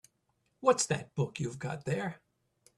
What's that book you've got there?